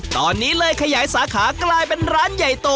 ตอนนี้เลยขยายสาขากลายเป็นร้านใหญ่โต